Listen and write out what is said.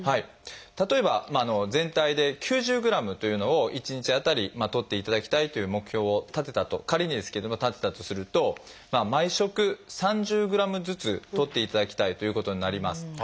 例えば全体で９０ｇというのを一日当たりとっていただきたいという目標を立てたと仮にですけれども立てたとすると毎食３０ｇずつとっていただきたいということになります。